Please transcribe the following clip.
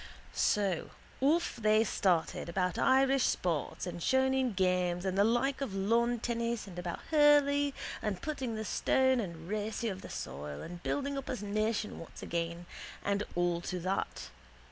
So off they started about Irish sports and shoneen games the like of lawn tennis and about hurley and putting the stone and racy of the soil and building up a nation once again and all to that.